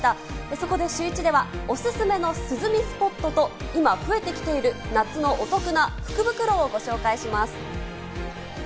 そこでシューイチでは、お勧めの涼みスポットと今増えてきている、夏のお得な福袋をご紹介します。